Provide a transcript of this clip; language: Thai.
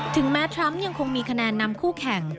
แม้ทรัมป์ยังคงมีคะแนนนำคู่แข่ง